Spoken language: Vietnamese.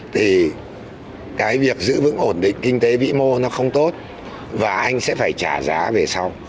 thì cái việc giữ vững ổn định kinh tế vĩ mô nó không tốt và anh sẽ phải trả giá về sau